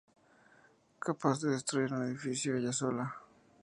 Capaz de destruir un edificio ella sola.